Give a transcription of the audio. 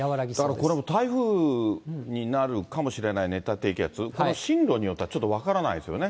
だからこれもう、台風になるかもしれない熱帯低気圧、この進路によってはちょっと分からないですよね。